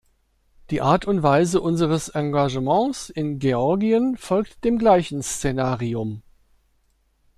Die Art und Weise unseres Engagements in Georgien folgt dem gleichen Szenarium.